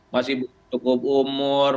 masih butuh umur